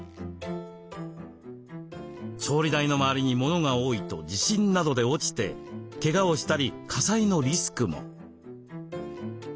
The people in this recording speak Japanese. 調理台の周りに物が多いと地震などで落ちてけがをしたり火災のリスクも。